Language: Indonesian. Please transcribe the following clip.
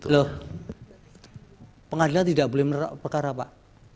loh pengadilan tidak boleh menolak perkara pak